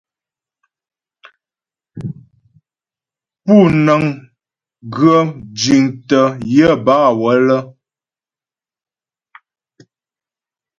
Pú nə́ŋ ghə jiŋtə́ yə bâ wələ.